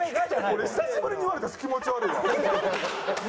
俺久しぶりに言われた「気持ち悪い」は。